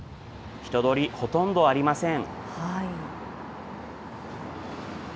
人通り、ほとんどありません。